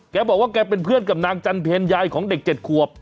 แกบอกว่าแกเป็นเพื่อนกับนางจันเพลยายของเด็ก๗ขวบ